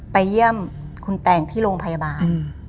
ไปเยี่ยมคุณแตงที่โรงพยาบาล